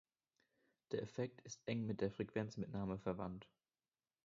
Der Effekt ist eng mit der Frequenzmitnahme verwandt.